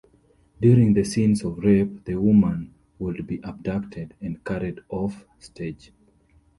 During the scenes of rape the woman would be abducted and carried off stage.